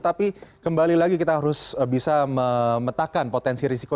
tapi kembali lagi kita harus bisa memetakan potensi risiko